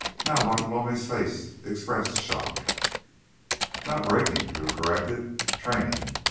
Now Bartolomé's face expressed shock. "Not breaking," Drew corrected, "training.